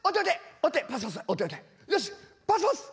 パスパス！